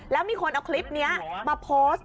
แล้วมีคนเอาคลิปนี้มาโพสต์